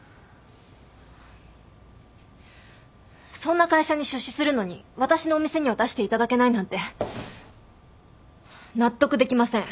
そんな会社に出資するのに私のお店には出していただけないなんて納得できません。